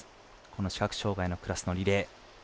この視覚障がいのクラスのリレー。